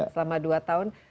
selama dua tahun